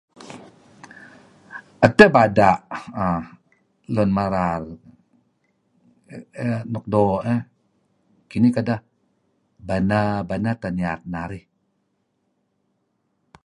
Edteh bada' Lun Merar uhm nuk doo' iih. Kinih kedeh baneh-baneh teh niat narih.